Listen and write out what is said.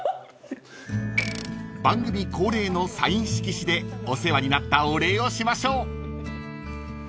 ［番組恒例のサイン色紙でお世話になったお礼をしましょう］